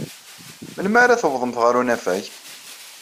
Melmi ara tawḍemt ɣer unafag?